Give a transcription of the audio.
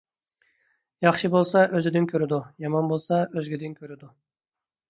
ياخشى بولسا ئۆزىدىن كۆرىدۇ، يامان بولسا ئۆزگىدىن كۆرىدۇ.